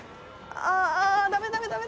あダメダメダメ